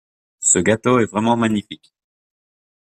Ce gâteau est vraiment magnifique.